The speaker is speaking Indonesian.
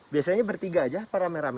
biasanya bertiga aja rame rame